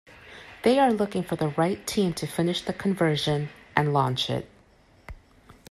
They are looking for the right team to finish the conversion and launch it.